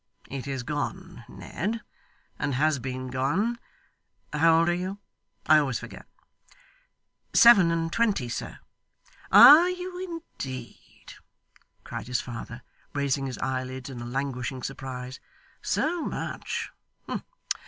It is gone, Ned, and has been gone how old are you? I always forget.' 'Seven and twenty, sir.' 'Are you indeed?' cried his father, raising his eyelids in a languishing surprise. 'So much!